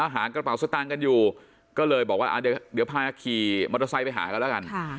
หากระเป๋าซะตังกันอยู่ก็เลยบอกว่าเดี๋ยวพยายามขี่มรอซ์ไซค์ไปหาแล้วกัน